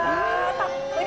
たっぷり！